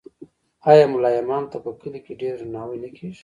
آیا ملا امام ته په کلي کې ډیر درناوی نه کیږي؟